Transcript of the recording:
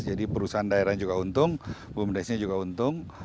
jadi perusahaan daerahnya juga untung bumdes nya juga untung